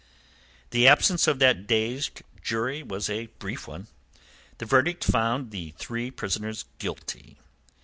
The absence of that dazed jury was a brief one. The verdict found the three prisoners guilty.